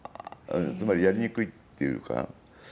つまり、やりにくいっていうか。